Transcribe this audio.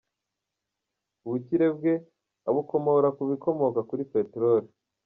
Ubukire bwe abukomora mu bikomoka kuri peteroli.